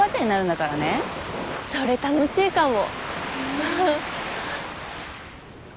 それ楽しいかも。